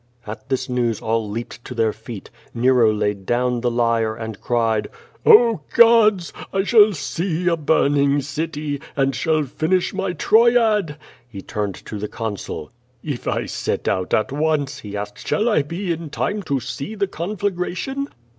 At this news all leaped to their feet. Nero laid down the lyre and cried: "Oh, gods! I shall see a burning city, and shall finish my Troyad." He turned to the Consul. "If I set out at once," he asked, "shall I be in time to see the conflagration?"